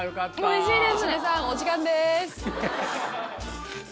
おいしいです。